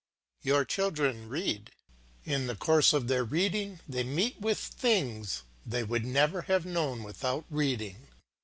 Your children read; in the course of their reading they meet with things they would never have known without reading.